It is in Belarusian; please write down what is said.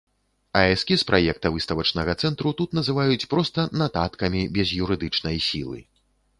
А эскіз праекта выставачнага цэнтру тут называюць проста нататкамі без юрыдычнай сілы.